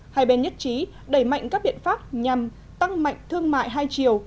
hai bên nhất trí đẩy mạnh các biện pháp nhằm tăng mạnh thương mại hai chiều